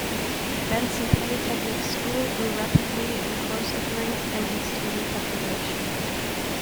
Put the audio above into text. Benson Polytechnic School grew rapidly in course offerings and in student population.